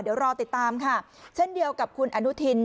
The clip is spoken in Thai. เดี๋ยวรอติดตามค่ะเช่นเดียวกับคุณอนุทิน